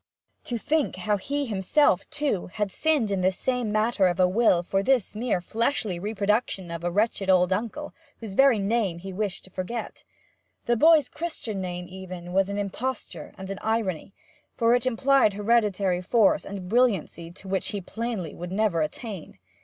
To think how he himself, too, had sinned in this same matter of a will for this mere fleshly reproduction of a wretched old uncle whose very name he wished to forget! The boy's Christian name, even, was an imposture and an irony, for it implied hereditary force and brilliancy to which he plainly would never attain.